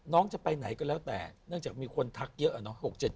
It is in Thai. จะไปไหนก็แล้วแต่เนื่องจากมีคนทักเยอะอะเนาะ